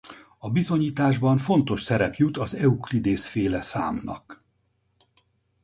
A bizonyításban fontos szerep jut az Eukleidész-féle számnak.